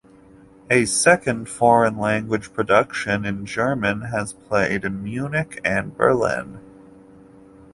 A second foreign language production in German has played in Munich and Berlin.